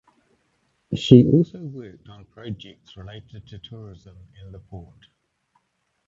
She also worked on projects related to tourism and the Port.